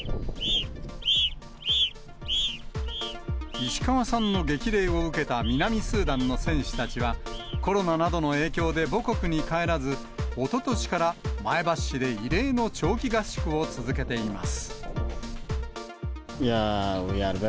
石川さんの激励を受けた南スーダンの選手たちは、コロナなどの影響で母国に帰らず、おととしから前橋市で異例の長期合宿を続けています。